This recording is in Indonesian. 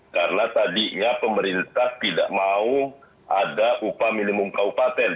karena tadinya pemerintah tidak mau ada upah minimum kabupaten